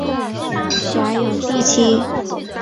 辖有第七。